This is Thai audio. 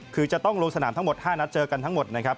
คือจะต้องลงสนามทั้งหมด๕นัดเจอกันทั้งหมดนะครับ